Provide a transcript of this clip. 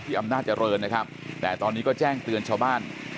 อำนาจเจริญนะครับแต่ตอนนี้ก็แจ้งเตือนชาวบ้าน